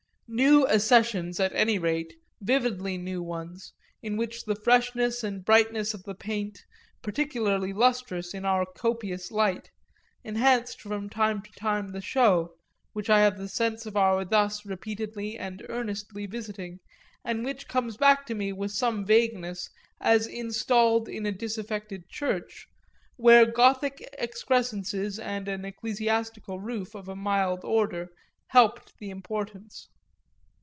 New accessions, at any rate, vividly new ones, in which the freshness and brightness of the paint, particularly lustrous in our copious light, enhanced from time to time the show, which I have the sense of our thus repeatedly and earnestly visiting and which comes back to me with some vagueness as installed in a disaffected church, where gothic excrescences and an ecclesiastical roof of a mild order helped the importance.